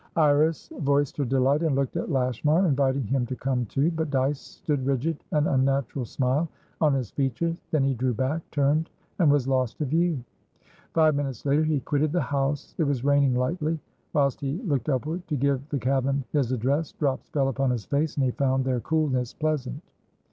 Iris voiced her delight, and looked at Lashmar, inviting him to come too. But Dyce stood rigid, an unnatural smile on his features; then he drew back, turned, and was lost to view. Five minutes later, he quitted the house. It was raining lightly. Whilst he looked upward to give the cabman his address, drops fell upon his face, and he found their coolness pleasant.